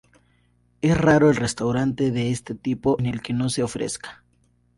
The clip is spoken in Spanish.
Es raro el restaurante de este tipo en el que no se ofrezca.